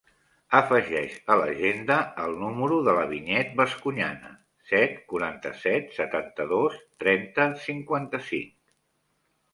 Afegeix a l'agenda el número de la Vinyet Bascuñana: set, quaranta-set, setanta-dos, trenta, cinquanta-cinc.